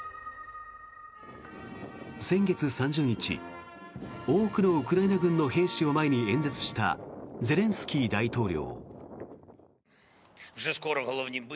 先月３０日多くのウクライナ軍の兵士を前に演説したゼレンスキー大統領。